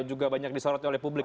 dan juga banyak disorot oleh publik